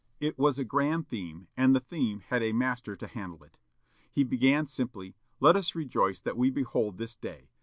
It was a grand theme, and the theme had a master to handle it. He began simply, "Let us rejoice that we behold this day.